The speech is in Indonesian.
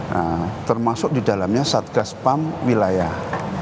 nah termasuk di dalamnya satgas pam wilayah